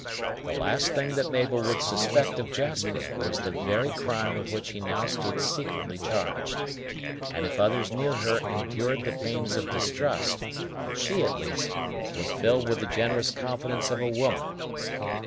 The last thing that Mabel would suspect of Jasper was the very crime with which he now stood secretly charged; and if others near her endured the pains of distrust, she, at least, was filled with the generous confidence of a woman.